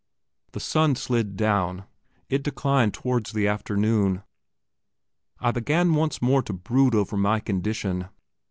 The sun slid down; it declined towards the afternoon. I began once more to brood over my condition.